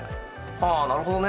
「はあなるほどね」